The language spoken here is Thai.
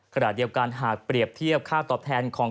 ขณะเดียวกันหากเปรียบเทียบค่าตอบแทนของ